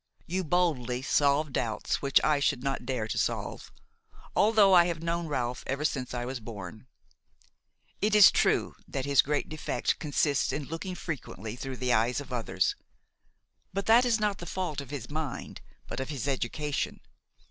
You boldly solve doubts which I should not dare to solve, although I have known Ralph ever since I was born. It is true that his great defect consists in looking frequently through the eyes of others; but that is not the fault of his mind but of his education.